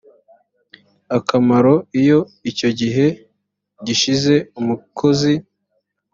akoramo iyo icyo gihe gishize umukozi